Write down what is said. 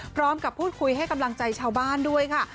พร้อมกับพูดคุยให้กำลังใจชาวบ้านด้วยค่ะ